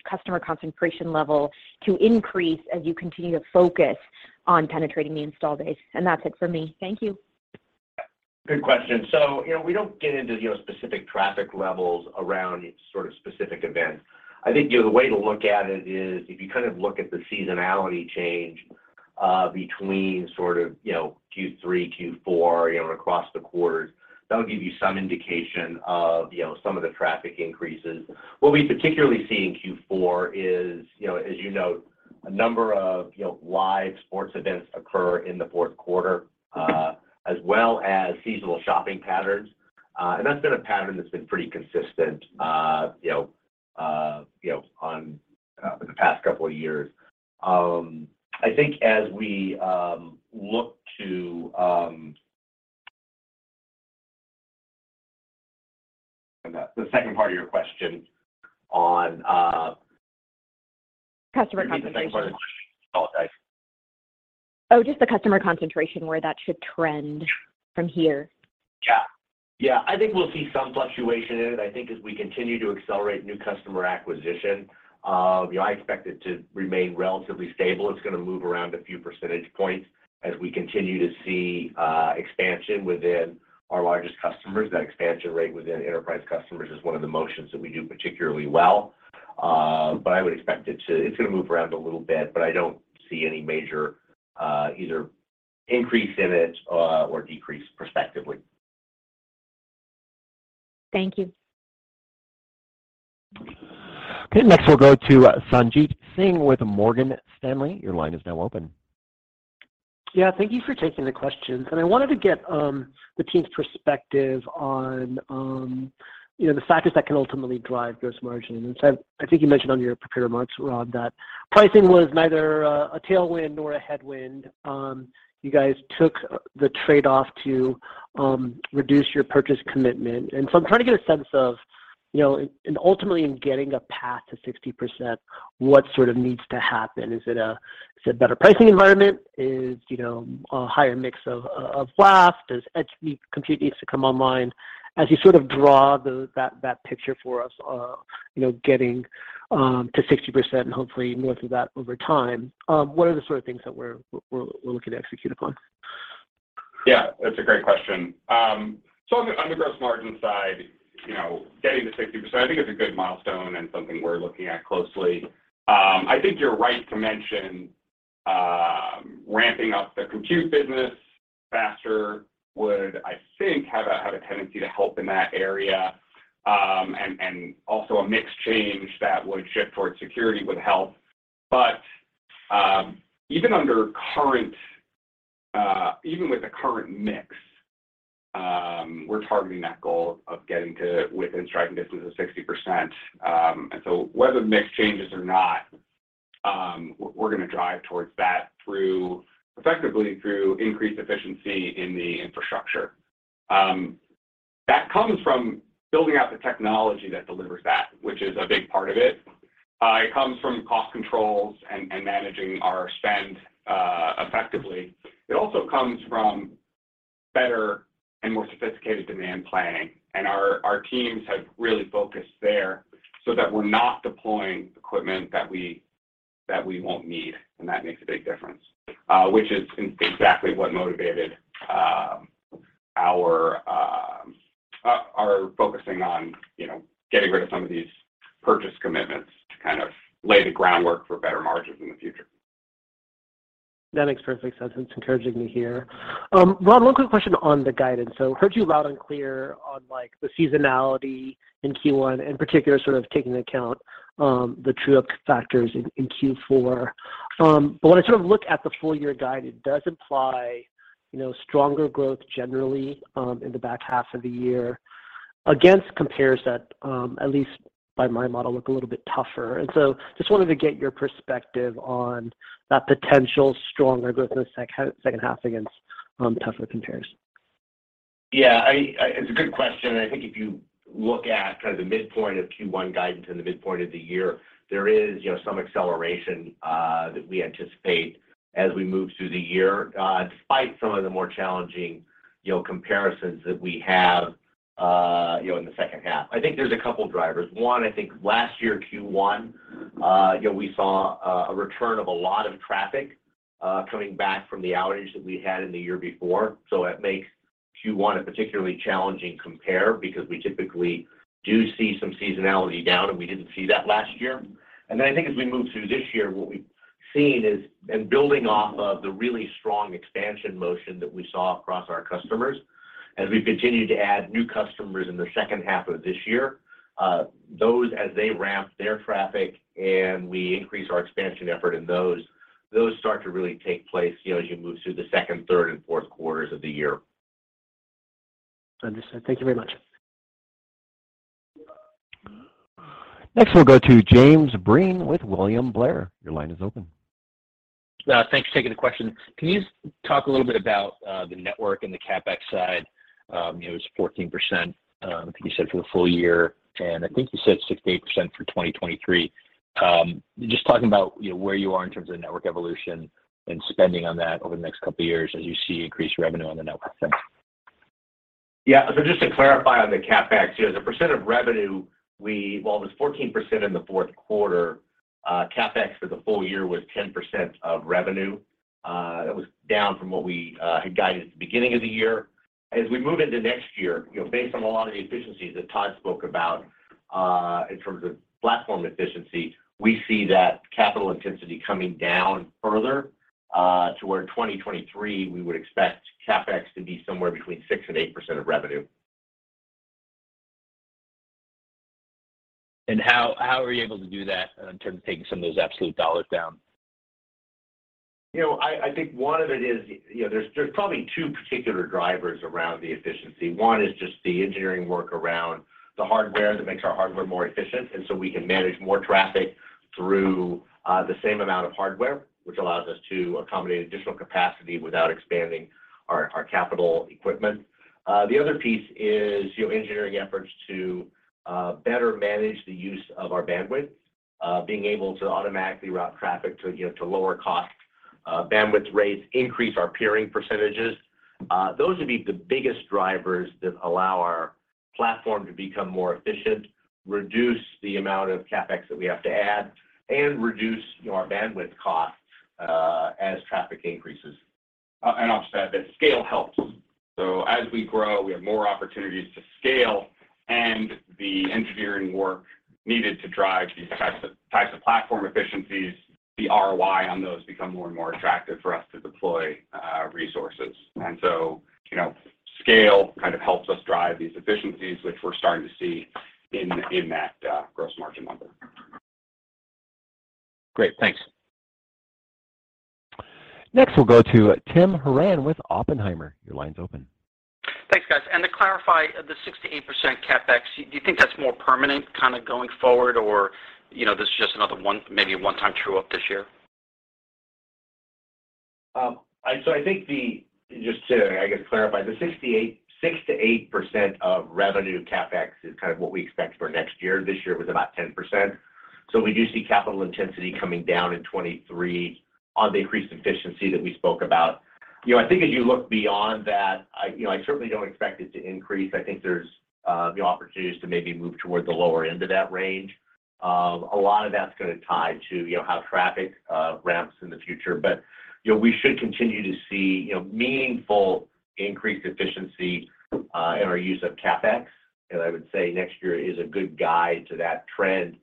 customer concentration level to increase as you continue to focus on penetrating the install base? That's it for me. Thank you. Good question. You know, we don't get into, you know, specific traffic levels around sort of specific events. I think, you know, the way to look at it is if you kind of look at the seasonality change between sort of, you know, Q3, Q4, you know, and across the quarters, that'll give you some indication of, you know, some of the traffic increases. What we particularly see in Q4 is, you know, as you note, a number of, you know, live sports events occur in the fourth quarter as well as seasonal shopping patterns. That's been a pattern that's been pretty consistent, you know, on the past couple of years. I think as we look to. The second part of your question on. Customer concentration. Install base. Just the customer concentration, where that should trend from here. Yeah. Yeah. I think we'll see some fluctuation in it. I think as we continue to accelerate new customer acquisition, you know, I expect it to remain relatively stable. It's gonna move around a few percentage points as we continue to see expansion within our largest customers. That expansion rate within enterprise customers is one of the motions that we do particularly well. But I would expect it's gonna move around a little bit, but I don't see any major, either increase in it, or decrease prospectively. Thank you. Okay. Next we'll go to Sanjit Singh with Morgan Stanley. Your line is now open. Yeah, thank you for taking the questions. I wanted to get the team's perspective on, you know, the factors that can ultimately drive gross margin. I think you mentioned on your prepared remarks, Rob, that pricing was neither a tailwind nor a headwind. You guys took the trade-off to reduce your purchase commitment. I'm trying to get a sense of, you know, ultimately in getting a path to 60%, what sort of needs to happen? Is it a better pricing environment? Is, you know, a higher mix of flash? Does edge compute needs to come online? As you sort of draw that picture for us, you know, getting, to 60% and hopefully north of that over time, what are the sort of things that we're looking to execute upon? Yeah, that's a great question. On the gross margin side, you know, getting to 60%, I think it's a good milestone and something we're looking at closely. I think you're right to mention, ramping up the compute business faster would, I think, have a tendency to help in that area. Also a mix change that would shift towards security would help. Even under current, even with the current mix, we're targeting that goal of getting to within striking distance of 60%. Whether the mix changes or not, we're gonna drive towards that effectively through increased efficiency in the infrastructure. That comes from building out the technology that delivers that, which is a big part of it. It comes from cost controls and managing our spend effectively. It also comes from better and more sophisticated demand planning. Our teams have really focused there so that we're not deploying equipment that we won't need, and that makes a big difference, which is exactly what motivated our focusing on, you know, getting rid of some of these purchase commitments to kind of lay the groundwork for better margins in the future. That makes perfect sense. It's encouraging to hear. Rob, one quick question on the guidance. Heard you loud and clear on, like, the seasonality in Q1, in particular, sort of taking into account, the true up factors in Q4. When I sort of look at the full year guide, it does imply, you know, stronger growth generally, in the back half of the year against compares that, at least by my model, look a little bit tougher. Just wanted to get your perspective on that potential stronger growth in the second half against, tougher compares. It's a good question. I think if you look at kind of the midpoint of Q1 guidance and the midpoint of the year, there is, you know, some acceleration that we anticipate as we move through the year despite some of the more challenging, you know, comparisons that we have, you know, in the second half. I think there's a couple drivers. One, I think last year, Q1, you know, we saw a return of a lot of traffic coming back from the outage that we had in the year before. It makes Q1 a particularly challenging compare because we typically do see some seasonality down, and we didn't see that last year. I think as we move through this year, what we've seen is in building off of the really strong expansion motion that we saw across our customers, as we continue to add new customers in the second half of this year, those as they ramp their traffic and we increase our expansion effort in those, start to really take place, you know, as you move through the second, third, and fourth quarters of the year. Understood. Thank you very much. Next, we'll go to James Breen with William Blair. Your line is open. Thanks for taking the question. Can you talk a little bit about the network and the CapEx side? It was 14%, I think you said for the full year, and I think you said 68% for 2023. Just talking about, you know, where you are in terms of network evolution and spending on that over the next couple of years as you see increased revenue on the network side. Yeah. Just to clarify on the CapEx. You know, the percent of revenue while it was 14% in the fourth quarter, CapEx for the full year was 10% of revenue. It was down from what we had guided at the beginning of the year. As we move into next year, you know, based on a lot of the efficiencies that Todd spoke about, in terms of platform efficiency, we see that capital intensity coming down further, to where in 2023, we would expect CapEx to be somewhere between 6% and 8% of revenue. How are you able to do that in terms of taking some of those absolute dollars down? You know, I think one of it is, you know, there's probably two particular drivers around the efficiency. One is just the engineering work around the hardware that makes our hardware more efficient, and so we can manage more traffic through the same amount of hardware, which allows us to accommodate additional capacity without expanding our capital equipment. The other piece is, you know, engineering efforts to better manage the use of our bandwidth, being able to automatically route traffic to, you know, to lower cost bandwidth rates, increase our peering percentages. Those would be the biggest drivers that allow our platform to become more efficient, reduce the amount of CapEx that we have to add, and reduce our bandwidth costs as traffic increases. I'll just add that scale helps. As we grow, we have more opportunities to scale and the engineering work needed to drive these types of platform efficiencies, the ROI on those become more and more attractive for us to deploy resources. You know, scale kind of helps us drive these efficiencies, which we're starting to see in that gross margin number. Great. Thanks. Next, we'll go to Tim Horan with Oppenheimer. Your line's open. Thanks, guys. To clarify the 6%-8% CapEx, do you think that's more permanent kind of going forward or, you know, this is just another maybe a one-time true up this year? I think just to, I guess, clarify, the 6%-8% of revenue CapEx is kind of what we expect for next year. This year was about 10%. We do see capital intensity coming down in 2023 on the increased efficiency that we spoke about. You know, I think as you look beyond that, you know, I certainly don't expect it to increase. I think there's the opportunities to maybe move towards the lower end of that range. A lot of that's gonna tie to, you know, how traffic ramps in the future. You know, we should continue to see, you know, meaningful increased efficiency in our use of CapEx. I would say next year is a good guide to that trend.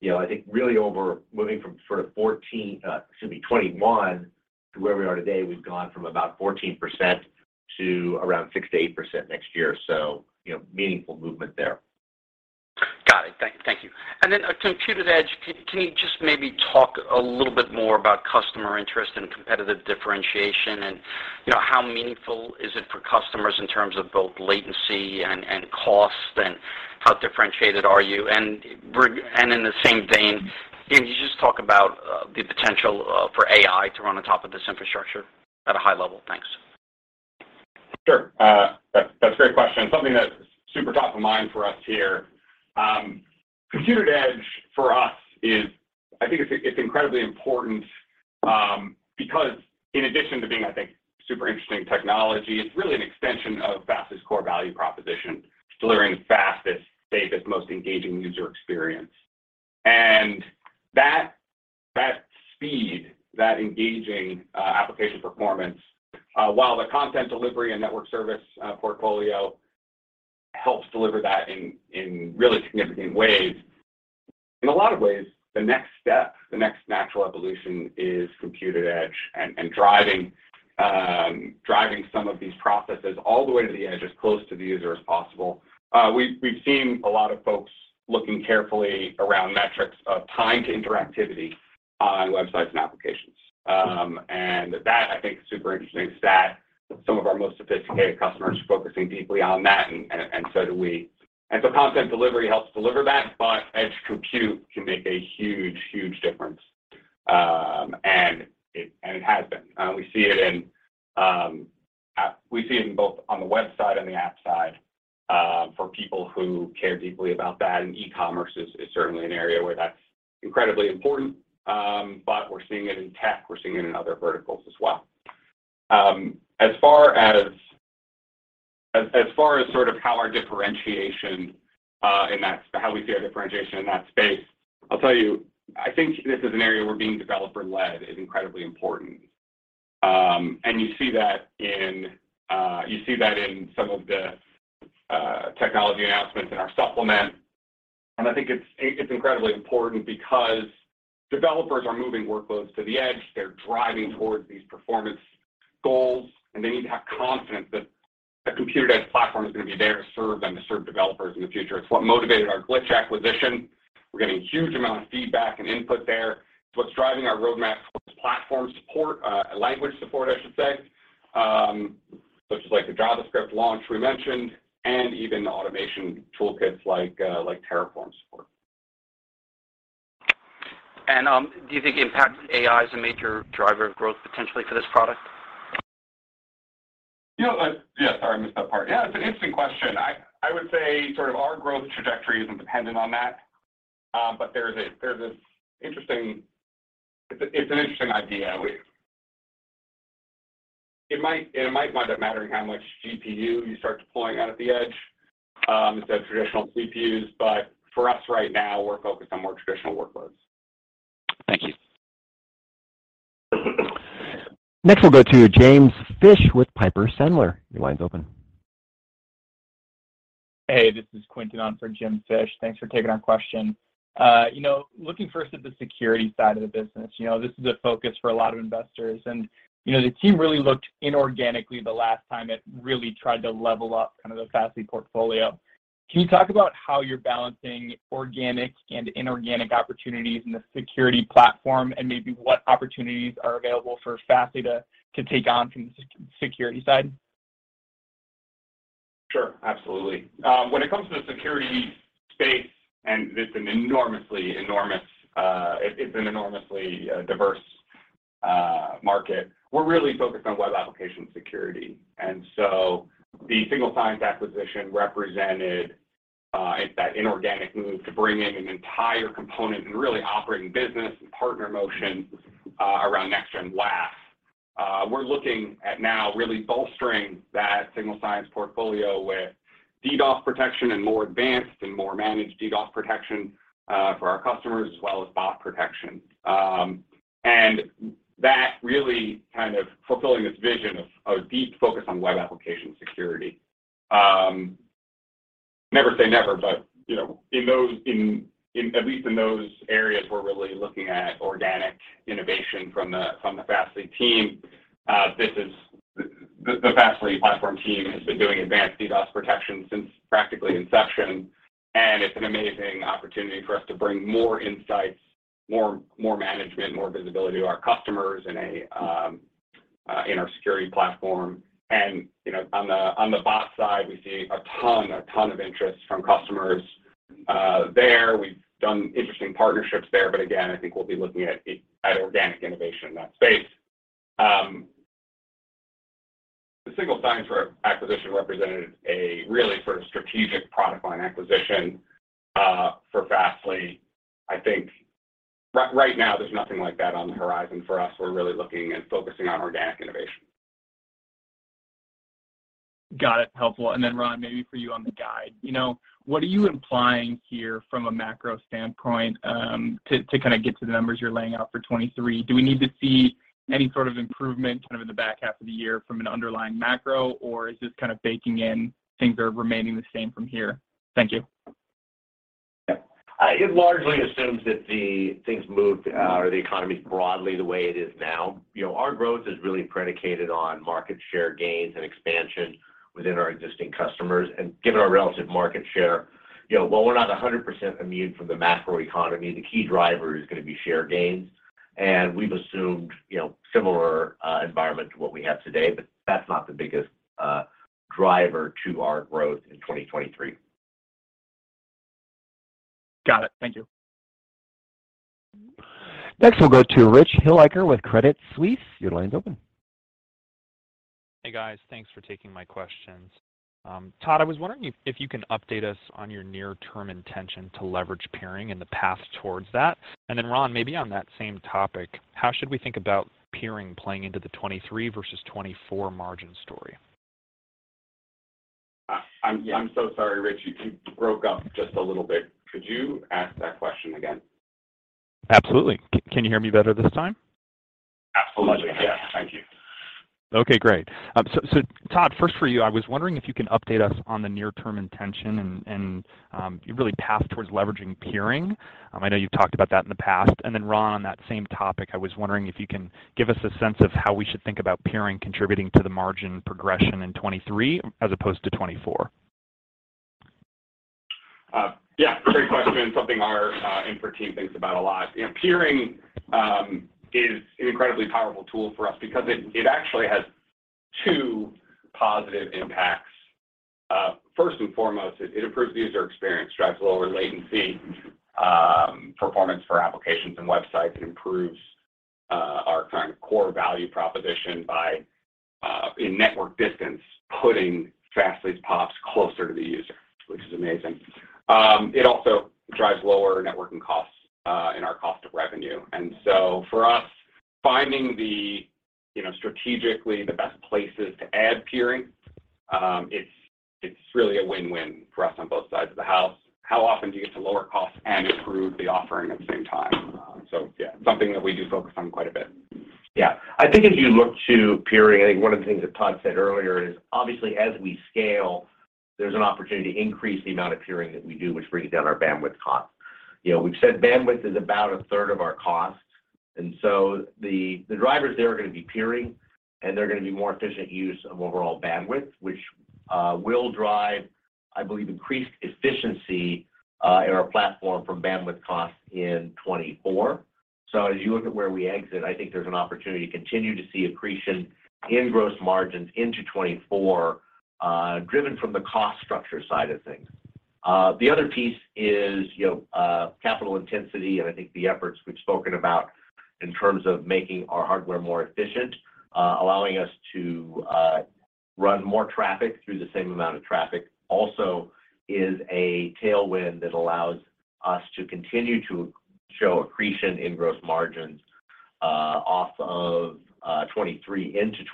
You know, I think really over moving from sort of 14, excuse me, 21 to where we are today, we've gone from about 14% to around 6%-8% next year. You know, meaningful movement there. Got it. Thank you. On Compute@Edge, can you just maybe talk a little bit more about customer interest and competitive differentiation and, you know, how meaningful is it for customers in terms of both latency and cost and how differentiated are you? In the same vein, can you just talk about the potential for AI to run on top of this infrastructure at a high level? Thanks. Sure. That's a great question. Something that's super top of mind for us here. Compute@Edge for us is I think it's incredibly important because in addition to being, I think, super interesting technology, it's really an extension of Fastly's core value proposition, delivering the fastest, safest, most engaging user experience. That speed, that engaging application performance, while the content delivery and network service portfolio helps deliver that in really significant ways. In a lot of ways, the next step, the next natural evolution is Compute@Edge and driving some of these processes all the way to the edge as close to the user as possible. We've seen a lot of folks looking carefully around metrics of time to interactivity on websites and applications. That I think is super interesting stat. Some of our most sophisticated customers are focusing deeply on that and so do we. Content delivery helps deliver that, but edge compute can make a huge, huge difference. And it has been. We see it in both on the website and the app side, for people who care deeply about that, and e-commerce is certainly an area where that's incredibly important. But we're seeing it in tech, we're seeing it in other verticals as well. As far as sort of how our differentiation, how we see our differentiation in that space, I'll tell you, I think this is an area where being developer-led is incredibly important. And you see that in some of the technology announcements in our supplement. I think it's incredibly important because developers are moving workloads to the edge. They're driving towards these performance goals, and they need to have confidence that a computer-based platform is gonna be there to serve them, to serve developers in the future. It's what motivated our Glitch acquisition. We're getting huge amount of feedback and input there. It's what's driving our roadmap for platform support, language support, I should say, such as like the JavaScript launch we mentioned, and even automation toolkits like Terraform support. Do you think the impact of AI is a major driver of growth potentially for this product? You know, yeah, sorry, I missed that part. Yeah, it's an interesting question. I would say sort of our growth trajectory isn't dependent on that. It's an interesting idea. It might wind up mattering how much GPU you start deploying out at the edge, instead of traditional CPUs. For us right now, we're focused on more traditional workloads. Thank you. Next, we'll go to James Fish with Piper Sandler. Your line's open. Hey, this is Quinton on for James Fish. Thanks for taking our question. You know, looking first at the security side of the business, you know, this is a focus for a lot of investors. You know, the team really looked inorganically the last time it really tried to level up kind of the Fastly portfolio. Can you talk about how you're balancing organic and inorganic opportunities in the security platform and maybe what opportunities are available for Fastly to take on from the security side? Sure. Absolutely. When it comes to the security space, it's an enormously diverse market, we're really focused on web application security. The Signal Sciences acquisition represented that inorganic move to bring in an entire component and really operating business and partner motion around Next-Gen WAF. We're looking at now really bolstering that Signal Sciences portfolio with DDoS protection and more advanced and more managed DDoS protection for our customers, as well as bot protection. That really kind of fulfilling this vision of a deep focus on web application security. Never say never, you know, in at least in those areas, we're really looking at organic innovation from the Fastly team. The Fastly platform team has been doing advanced DDoS protection since practically inception. It's an amazing opportunity for us to bring more insights, more management, more visibility to our customers in our security platform. You know, on the bot side, we see a ton of interest from customers there. We've done interesting partnerships there. Again, I think we'll be looking at organic innovation in that space. The Signal Sciences acquisition represented a really sort of strategic product line acquisition for Fastly. I think right now there's nothing like that on the horizon for us. We're really looking and focusing on organic innovation. Got it. Helpful. Then Ron, maybe for you on the guide. You know, what are you implying here from a macro standpoint, to kind of get to the numbers you're laying out for 2023? Do we need to see any sort of improvement kind of in the back half of the year from an underlying macro, or is this kind of baking in things are remaining the same from here? Thank you. Yeah. It largely assumes that things moved, or the economy's broadly the way it is now. You know, our growth is really predicated on market share gains and expansion within our existing customers. Given our relative market share, you know, while we're not 100% immune from the macro economy, the key driver is gonna be share gains. We've assumed, you know, similar environment to what we have today, but that's not the biggest driver to our growth in 2023. Got it. Thank you. We'll go to Rich Hilliker with Credit Suisse. Your line's open. Hey, guys. Thanks for taking my questions. Todd, I was wondering if you can update us on your near-term intention to leverage peering and the path towards that. Ron, maybe on that same topic, how should we think about peering playing into the 2023 versus 2024 margin story? I'm so sorry, Rich. You broke up just a little bit. Could you ask that question again? Absolutely. Can you hear me better this time? Absolutely. Much better. Yes. Thank you. Okay, great. So Todd, first for you, I was wondering if you can update us on the near-term intention and really path towards leveraging peering. I know you've talked about that in the past. Then Ron, on that same topic, I was wondering if you can give us a sense of how we should think about peering contributing to the margin progression in 2023 as opposed to 2024. Yeah, great question, something our info team thinks about a lot. You know, peering is an incredibly powerful tool for us because it actually has two positive impacts. First and foremost, it improves the user experience, drives lower latency, performance for applications and websites. It improves our kind of core value proposition by in network distance, putting Fastly's POPs closer to the user, which is amazing. It also drives lower networking costs in our cost of revenue. For us, finding the, you know, strategically the best places to add peering, it's really a win-win for us on both sides of the house. How often do you get to lower costs and improve the offering at the same time? Yeah, something that we do focus on quite a bit. Yeah. I think as you look to peering, I think one of the things that Todd said earlier is obviously as we scale, there's an opportunity to increase the amount of peering that we do, which brings down our bandwidth costs. You know, we've said bandwidth is about a third of our costs, the drivers there are gonna be peering, and they're gonna be more efficient use of overall bandwidth, which will drive, I believe, increased efficiency in our platform for bandwidth costs in 2024. As you look at where we exit, I think there's an opportunity to continue to see accretion in gross margins into 2024, driven from the cost structure side of things. The other piece is, you know, capital intensity, and I think the efforts we've spoken about in terms of making our hardware more efficient, allowing us to run more traffic through the same amount of traffic also is a tailwind that allows us to continue to show accretion in gross margins off of 2023 into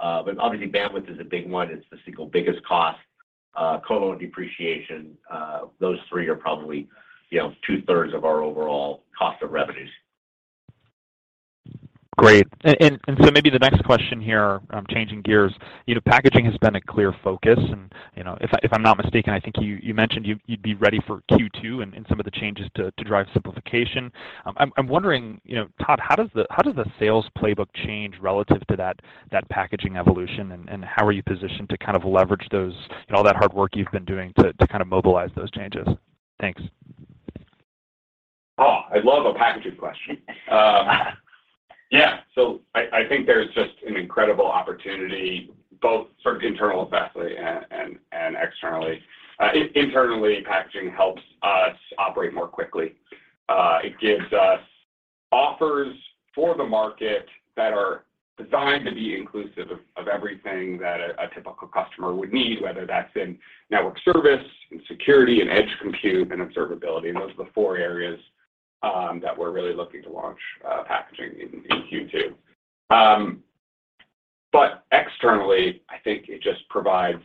2024. Obviously bandwidth is a big one. It's the single biggest cost. Co-lo depreciation, those three are probably, you know, two-thirds of our overall cost of revenues. Great. Maybe the next question here, I'm changing gears. You know, packaging has been a clear focus and, you know, if I'm not mistaken, I think you mentioned you'd be ready for Q2 in some of the changes to drive simplification. I'm wondering, you know, Todd, how does the sales playbook change relative to that packaging evolution, and how are you positioned to kind of leverage those and all that hard work you've been doing to kind of mobilize those changes? Thanks. Oh, I love a packaging question. Yeah. I think there's just an incredible opportunity both for internal at Fastly and externally. Internally, packaging helps us operate more quickly. It gives us offers for the market that are designed to be inclusive of everything that a typical customer would need, whether that's in network service, in security, in edge compute, and observability. Those are the four areas that we're really looking to launch packaging in Q2. Externally, I think it just provides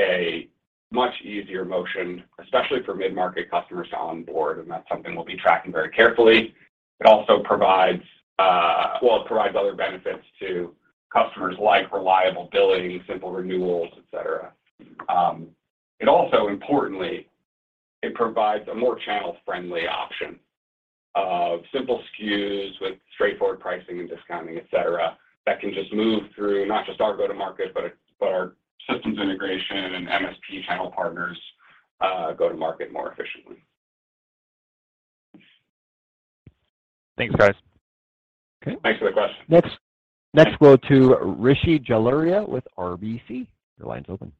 a much easier motion, especially for mid-market customers to onboard, and that's something we'll be tracking very carefully. It also provides other benefits to customers like reliable billing, simple renewals, et cetera. It also importantly, it provides a more channel-friendly option of simple SKUs with straightforward pricing and discounting, et cetera, that can just move through not just our go-to-market, but our systems integration and MSP channel partners, go-to-market more efficiently. Thanks, guys. Okay. Thanks for the question. Next we'll go to Rishi Jaluria with RBC. Your line's open.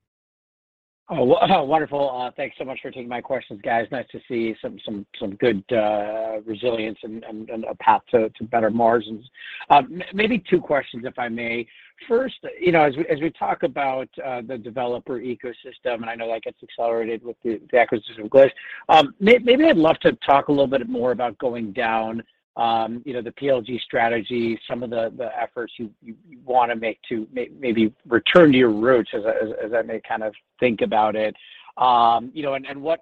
Wonderful. Thanks so much for taking my questions, guys. Nice to see some good resilience and a path to better margins. Maybe two questions, if I may. First, you know, as we talk about the developer ecosystem, and I know that gets accelerated with the acquisition of Glitch, maybe I'd love to talk a little bit more about going down, you know, the PLG strategy, some of the efforts you wanna make to maybe return to your roots as I may kind of think about it. You know, and what...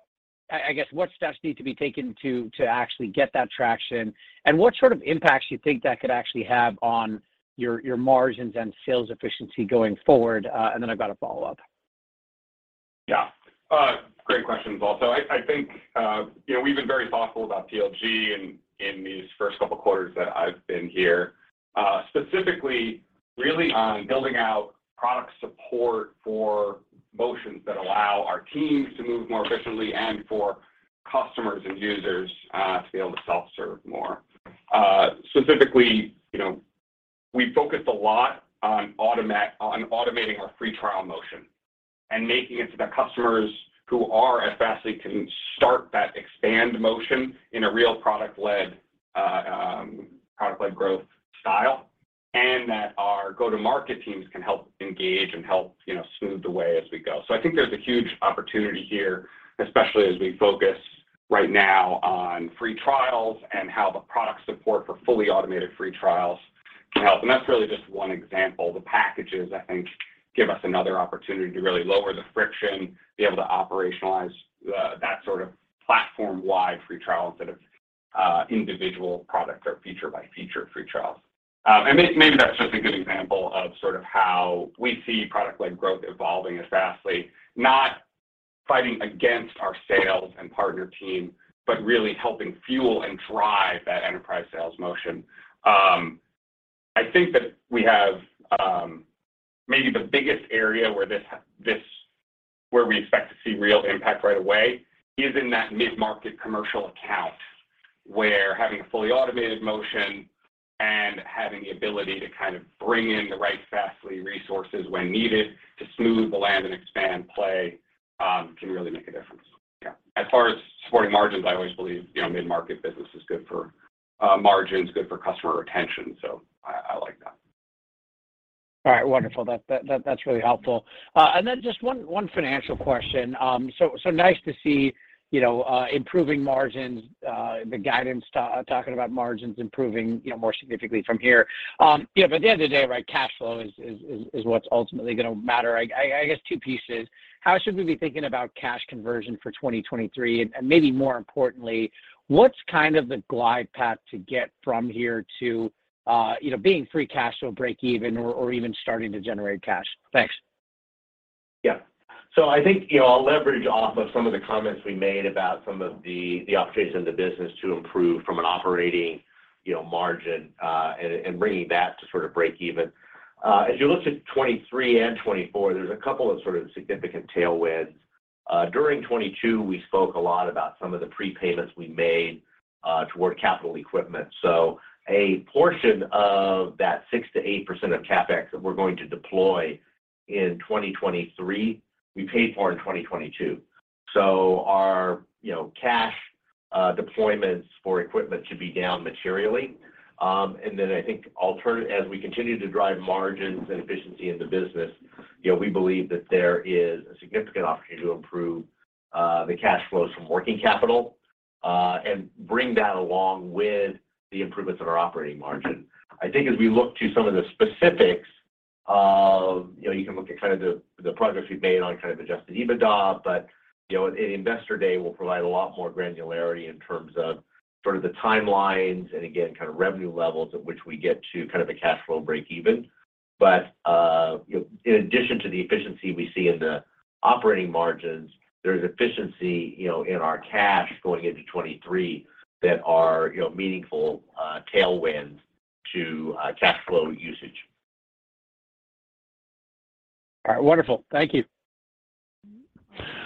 I guess what steps need to be taken to actually get that traction, and what sort of impacts do you think that could actually have on your margins and sales efficiency going forward? Then I've got a follow-up. Great questions also. I think, you know, we've been very thoughtful about PLG in these first couple quarters that I've been here, specifically really on building out product support for motions that allow our teams to move more efficiently and for customers and users, to be able to self-serve more. Specifically, you know, we focused a lot on automating our free trial motion and making it so that customers who are at Fastly can start that expand motion in a real product led product led growth style, and that our go-to-market teams can help engage and help, you know, smooth the way as we go. I think there's a huge opportunity here, especially as we focus right now on free trials and how the product support for fully automated free trials can help. That's really just one example. The packages, I think, give us another opportunity to really lower the friction, be able to operationalize that sort of platform-wide free trial instead of individual product or feature-by-feature free trials. Maybe that's just a good example of sort of how we see product-led growth evolving at Fastly, not fighting against our sales and partner team, but really helping fuel and drive that enterprise sales motion. I think that we have maybe the biggest area where this where we expect to see real impact right away is in that mid-market commercial account, where having a fully automated motion and having the ability to kind of bring in the right Fastly resources when needed to smooth the land-and-expand play, can really make a difference. Yeah. Far as supporting margins, I always believe, you know, mid-market business is good for margins, good for customer retention, so I like that. All right. Wonderful. That's really helpful. Just one financial question. So nice to see, you know, improving margins, the guidance talking about margins improving, you know, more significantly from here. You know, at the end of the day, right, cash flow is what's ultimately gonna matter. I guess two pieces. How should we be thinking about cash conversion for 2023? Maybe more importantly, what's kind of the glide path to get from here to, you know, being free cash or break even or even starting to generate cash? Thanks. I think, you know, I'll leverage off of some of the comments we made about some of the opportunities in the business to improve from an operating, you know, margin, and bringing that to sort of break even. As you look to 2023 and 2024, there's a couple of sort of significant tailwinds. During 2022, we spoke a lot about some of the prepayments we made toward capital equipment. A portion of that 6%-8% of CapEx that we're going to deploy in 2023, we paid for in 2022. Our, you know, cash deployments for equipment should be down materially. Then I think as we continue to drive margins and efficiency in the business, you know, we believe that there is a significant opportunity to improve the cash flows from working capital and bring that along with the improvements in our operating margin. I think as we look to some of the specifics of, you know, you can look at kind of the progress we've made on kind of adjusted EBITDA, but, you know, an Investor Day will provide a lot more granularity in terms of sort of the timelines and again, kind of revenue levels at which we get to kind of a cash flow break even. You know, in addition to the efficiency we see in the operating margins, there's efficiency, you know, in our cash going into 2023 that are, you know, meaningful tailwinds to cash flow usage. All right. Wonderful. Thank you.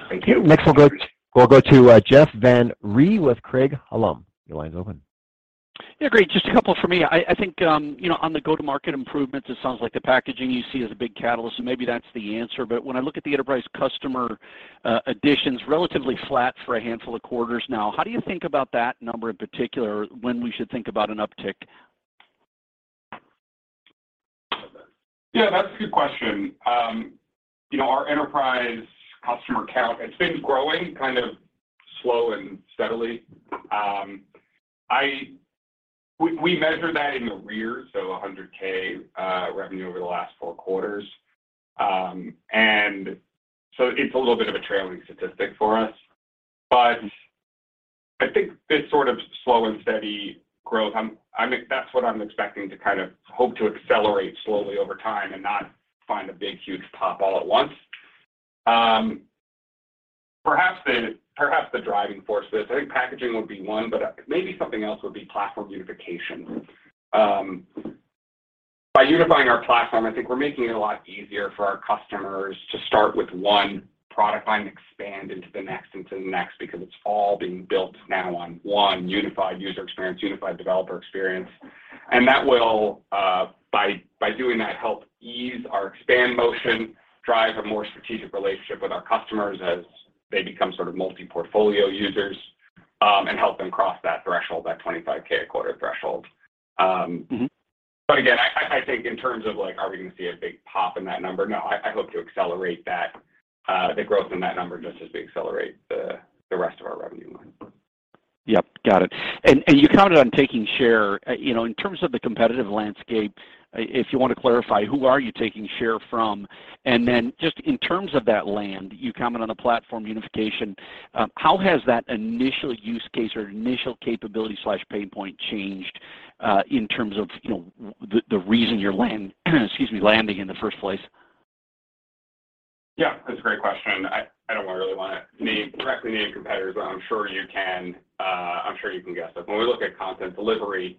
Thank you. We'll go to Jeff Van Rhee with Craig-Hallum. Your line's open. Yeah, great. Just a couple from me. I think, you know, on the go-to-market improvements, it sounds like the packaging you see is a big catalyst, maybe that's the answer. When I look at the enterprise customer, additions, relatively flat for a handful of quarters now. How do you think about that number in particular when we should think about an uptick? Yeah, that's a good question. you know, our enterprise customer count has been growing kind of slow and steadily. We measure that in the rear, so $100K revenue over the last four quarters. It's a little bit of a trailing statistic for us. This sort of slow and steady growth, I'm expecting to kind of hope to accelerate slowly over time and not find a big, huge pop all at once. perhaps the driving force this, I think packaging would be one, but maybe something else would be platform unification. By unifying our platform, I think we're making it a lot easier for our customers to start with one product line and expand into the next, into the next because it's all being built now on one unified user experience, unified developer experience. That will, by doing that, help ease our expand motion, drive a more strategic relationship with our customers as they become sort of multi-portfolio users, and help them cross that threshold, that 25,000 a quarter threshold. But again, I think in terms of like, are we gonna see a big pop in that number? No. I hope to accelerate that, the growth in that number just as we accelerate the rest of our revenue line. Yep. Got it. You counted on taking share. You know, in terms of the competitive landscape, if you want to clarify, who are you taking share from? Then just in terms of that land, you comment on the platform unification, how has that initial use case or initial capability/pain point changed, in terms of, you know, the reason you're landing in the first place? Yeah, that's a great question. I don't really wanna name, directly name competitors, but I'm sure you can, I'm sure you can guess. When we look at content delivery,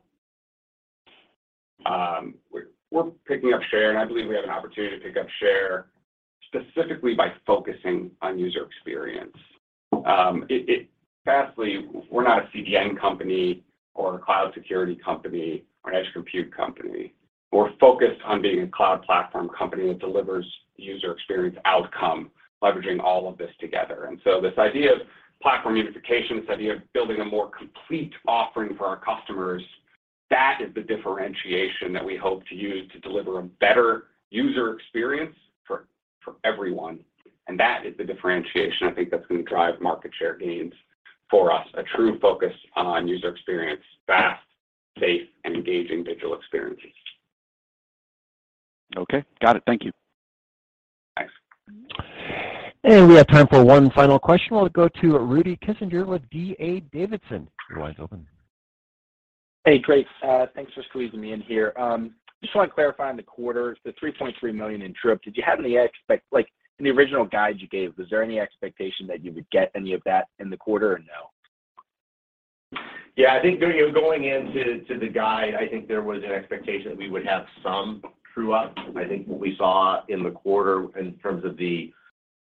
we're picking up share, and I believe we have an opportunity to pick up share specifically by focusing on user experience. Fastly, we're not a CDN company or a cloud security company or an edge compute company. We're focused on being a cloud platform company that delivers user experience outcome, leveraging all of this together. This idea of platform unification, this idea of building a more complete offering for our customers, that is the differentiation that we hope to use to deliver a better user experience for everyone. That is the differentiation I think that's gonna drive market share gains for us, a true focus on user experience, fast, safe, and engaging digital experiences. Okay. Got it. Thank you. Thanks. We have time for one final question. We'll go to Rudy Kessinger with D.A. Davidson. Your line's open. Hey, great. thanks for squeezing me in here. just want to clarify on the quarter, the $3.3 million in true-up. Did you have any Like, in the original guide you gave, was there any expectation that you would get any of that in the quarter or no? I think going into to the guide, I think there was an expectation that we would have some true-up. I think what we saw in the quarter in terms of the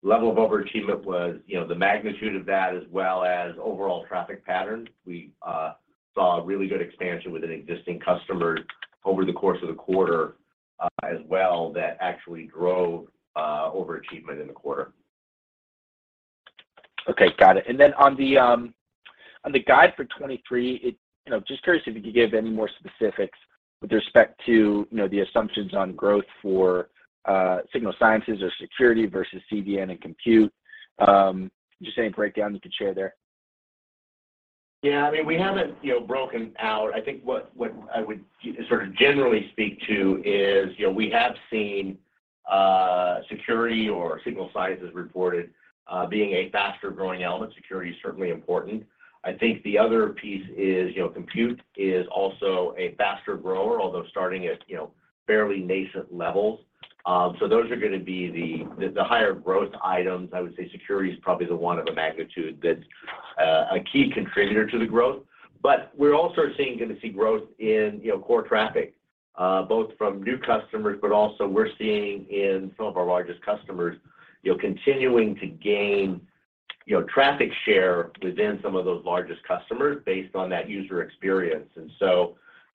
level of overachievement was, you know, the magnitude of that as well as overall traffic patterns. We saw a really good expansion with an existing customer over the course of the quarter, as well that actually drove overachievement in the quarter. Okay. Got it. On the guide for 2023, you know, just curious if you could give any more specifics with respect to, you know, the assumptions on growth for Signal Sciences or security versus CDN and compute. Just any breakdown you could share there? Yeah. I mean, we haven't, you know, broken out. I think what I would sort of generally speak to is, you know, we have seen security or Signal Sciences reported being a faster-growing element. Security is certainly important. I think the other piece is, you know, compute is also a faster grower, although starting at, you know, fairly nascent levels. Those are gonna be the higher growth items. I would say security is probably the one of the magnitude that's a key contributor to the growth. We're also gonna see growth in, you know, core traffic, both from new customers, but also we're seeing in some of our largest customers, you know, continuing to gain, you know, traffic share within some of those largest customers based on that user experience.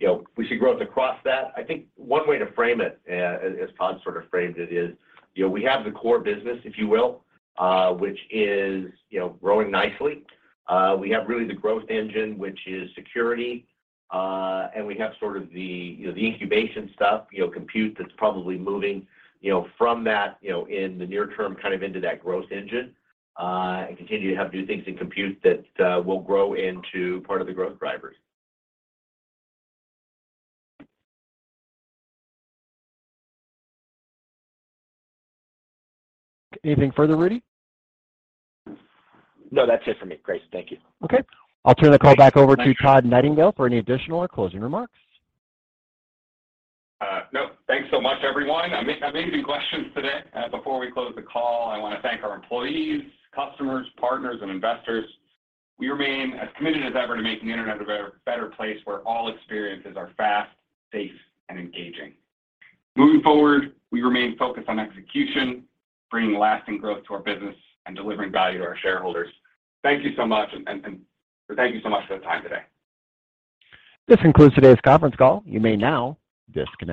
You know, we see growth across that. I think one way to frame it, as Todd sort of framed it, is, you know, we have the core business, if you will, which is, you know, growing nicely. We have really the growth engine, which is security. We have sort of the, you know, the incubation stuff, you know, compute that's probably moving, you know, from that, you know, in the near term kind of into that growth engine, and continue to have new things in compute that, will grow into part of the growth drivers. Anything further, Rudy? No. That's it for me. Great. Thank you. Okay. I'll turn the call back over to Todd Nightingale for any additional or closing remarks. No. Thanks so much, everyone. Amazing questions today. Before we close the call, I wanna thank our employees, customers, partners, and investors. We remain as committed as ever to making the Internet a better place where all experiences are fast, safe, and engaging. Moving forward, we remain focused on execution, bringing lasting growth to our business, and delivering value to our shareholders. Thank you so much and thank you so much for the time today. This concludes today's conference call. You may now disconnect.